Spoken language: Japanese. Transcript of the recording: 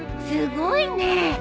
すごいねえ。